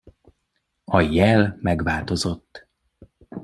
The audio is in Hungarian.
A jel megváltozott.